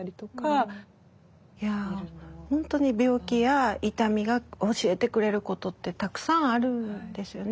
本当に病気や痛みが教えてくれることってたくさんあるんですよね。